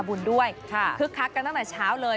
บุญด้วยคึกคักกันตั้งแต่เช้าเลย